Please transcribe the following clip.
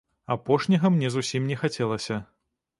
Апошняга мне зусім не хацелася.